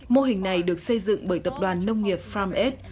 mô hình này được xây dựng bởi tập đoàn nông nghiệp farmed